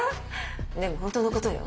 でも本当のことよ。